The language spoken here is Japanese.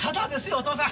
お父さん。